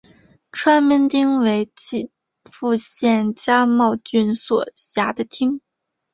川边町为岐阜县加茂郡所辖的町。